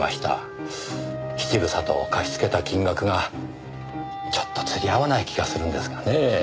質草と貸しつけた金額がちょっと釣り合わない気がするんですがねぇ。